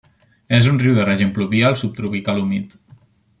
És un riu de règim pluvial subtropical humit.